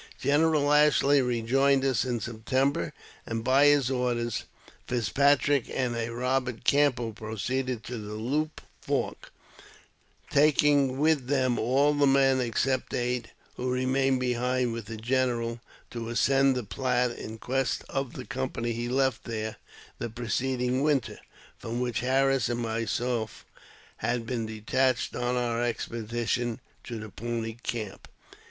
General Ashley rejoined us in September, and by his orders Fitzpatrick and a Eobert Campbell proceeded to the Loup fork, taking with them all the men, except eight, who remained behind with the general, to ascend the Platte in quest of the company he left there the preceding winter, from which Harris and myself had been detached on our expedition, to the Pawnee camp.